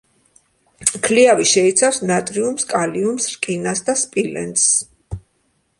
ქლიავი შეიცავს ნატრიუმს, კალიუმს, რკინას და სპილენძს.